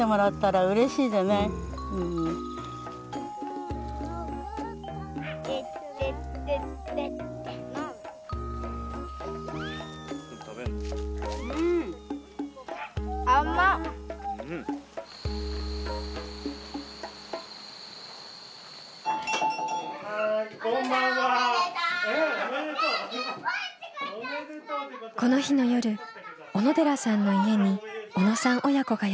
この日の夜小野寺さんの家に小野さん親子がやって来ました。